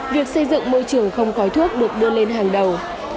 việc xây dựng môi trường không khói thuốc được đưa lên hàng đầu